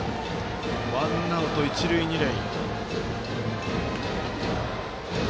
ワンアウト、一塁二塁。